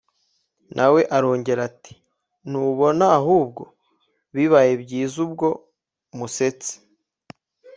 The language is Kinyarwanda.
nawe arongera ati:"ntubona ahubwo; bibaye byiza ubwo musetse!"